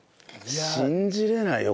信じられないよ